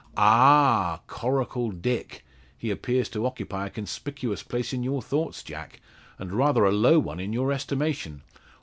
"Ah, Coracle Dick! He appears to occupy a conspicuous place in your thoughts, Jack; and rather a low one in your estimation.